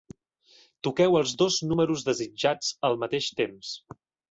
Toqueu els dos números desitjats al mateix temps.